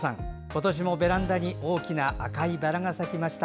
今年もベランダに大きな赤いバラが咲きました。